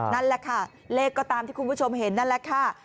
นั่นแหละค่ะเลขก็ตามที่คุณผู้ชมเห็นนั่นแหละค่ะ